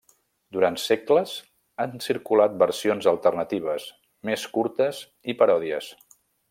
Durant segles han circulat versions alternatives, més curtes i paròdies.